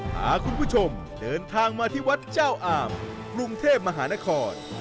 พาคุณผู้ชมเดินทางมาที่วัดเจ้าอามกรุงเทพมหานคร